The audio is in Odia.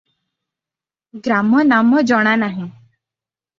ଗ୍ରାମ ନାମ ଜଣା ନାହିଁ ।